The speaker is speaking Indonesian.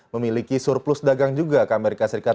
memiliki surplus dagang juga ke amerika serikat